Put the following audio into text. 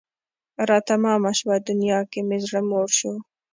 را تمامه شوه دنیا که مې زړه موړ شو